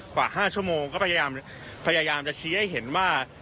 กว่าห้าชั่วโมงก็พยายามพยายามจะชี้ให้เห็นว่า